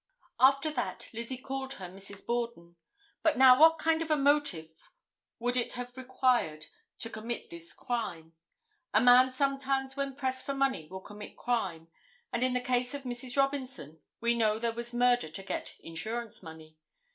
After that Lizzie called her Mrs. Borden. But now what kind of a motive would it have required to commit this crime. A man sometimes when pressed for money will commit crime, and in the case of Mrs. Robinson we know there was murder to get insurance money.